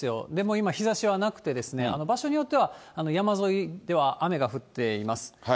今、日ざしはなくてですね、場所によっては山沿いでは雨が降っています。